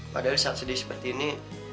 padahal saat sedih seperti ini